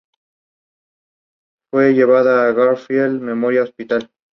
Los terrenos de difícil acceso se dejan en barbecho.